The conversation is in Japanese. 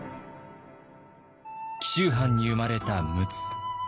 紀州藩に生まれた陸奥。